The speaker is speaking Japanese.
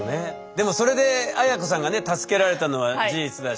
でもそれで綾子さんがね助けられたのは事実だし。